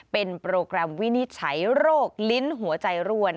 เป็นโปรแกรมวินิจฉัยโรคลิ้นหัวใจรั่ว